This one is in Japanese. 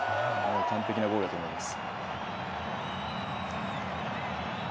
完璧なゴールだったと思います。